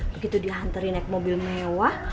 begitu dihantarin naik mobil mewah